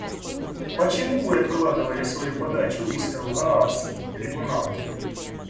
Почему вы откладывали свою подачу исков в Гаагский трибунал?